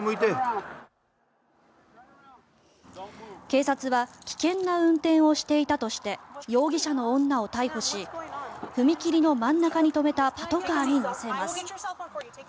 警察は危険な運転をしていたとして容疑者の女を逮捕し踏切の真ん中に止めたパトカーに乗せます。